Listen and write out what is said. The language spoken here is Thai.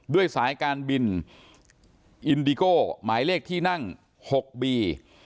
ด้วยสายการบินอินดิโก้หมายเลขที่นั่ง๖บี